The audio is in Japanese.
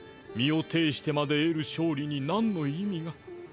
身を挺してまで得る勝利に何の意味が？